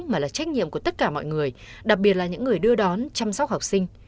mà là trách nhiệm của tất cả mọi người đặc biệt là những người đưa đón chăm sóc học sinh